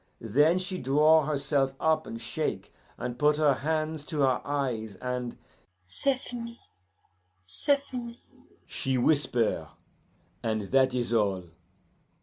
Then she draw herself up, and shake, and put her hands to her eyes, and 'C'est fini! c'est fini!' she whisper, and that is all.